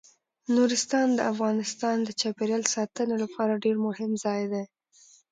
نورستان د افغانستان د چاپیریال ساتنې لپاره ډیر مهم ځای دی.